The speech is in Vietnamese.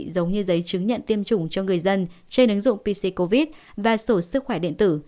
giống như giấy chứng nhận tiêm chủng cho người dân trên ứng dụng pc covid và sổ sức khỏe điện tử